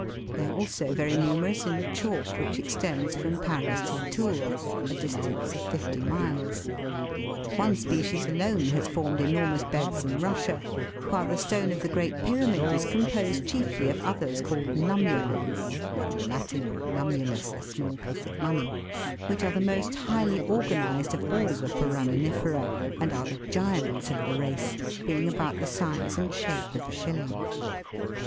They are also very numerous in the chalk which extends from Paris to Tours, a distance of fifty miles. One species alone has formed enormous beds in Russia, while the stone of the Great Pyramid is composed chiefly of others called Nummulites,* which are the most highly organised of all the foraminifera, and are the giants of the race, being of about the size and shape of a shilling (Fig.